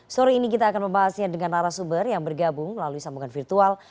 sore ini kita akan membahasnya dengan arah sumber yang bergabung melalui sambungan virtual